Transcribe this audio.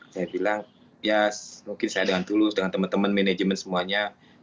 saya bilang ya mungkin saya dengan tulus dengan teman teman manajemen semuanya